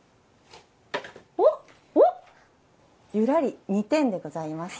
ゆらり、２点でございます。